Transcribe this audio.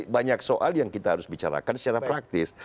banyak soal yang kita harus bicarakan secara praktis